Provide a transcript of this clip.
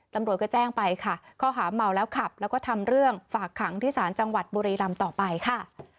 ตำรวจก็แจ้งไปค่ะข้อหาเมาแล้วขับแล้วก็ทำเรื่องฝากขังที่ศาลจังหวัดบุรีรำต่อไปค่ะ